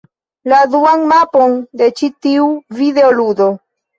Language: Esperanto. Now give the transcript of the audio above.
La duan mapon de ĉi tiu videoludo.